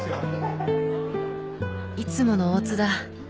いつもの大津だ。